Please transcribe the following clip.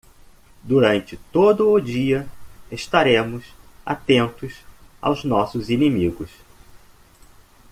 Durante todo o dia estaremos atentos aos nossos inimigos.